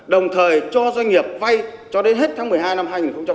đồng thời cho doanh nghiệp vay cho đến hết tháng một mươi hai năm hai nghìn hai mươi